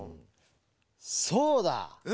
そうだ！え？